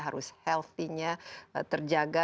harus healthinya terjaga